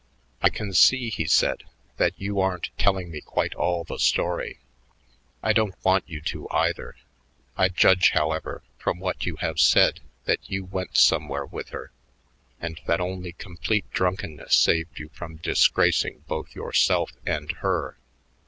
"I can see," he said, "that you aren't telling me quite all the story. I don't want you to, either. I judge, however, from what you have said that you went somewhere with her and that only complete drunkenness saved you from disgracing both yourself and her.